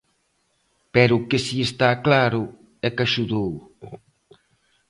Pero o que si está claro é que axudou.